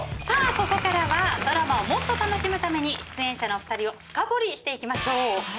さあここからはドラマをもっと楽しむために出演者の２人を深掘りしていきましょう。